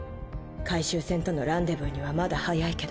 回収船とのランデブーにはまだ早いけど。